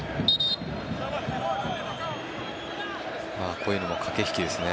こういうのも駆け引きですね。